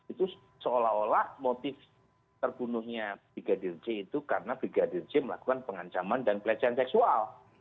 itu seolah olah motif terbunuhnya brigadir c itu karena brigadir j melakukan pengancaman dan pelecehan seksual